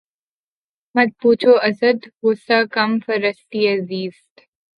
مت پوچھ اسد! غصۂ کم فرصتیِ زیست